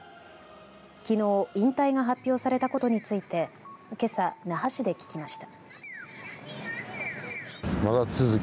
きのう引退が発表されたことについてけさ、那覇市で聞きました。